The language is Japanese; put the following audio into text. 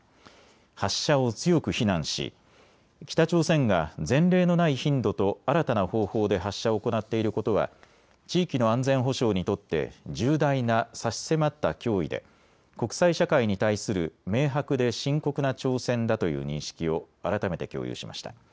発射を強く非難し北朝鮮が前例のない頻度と新たな方法で発射を行っていることは地域の安全保障にとって重大な差し迫った脅威で国際社会に対する明白で深刻な挑戦だという認識を改めて共有しました。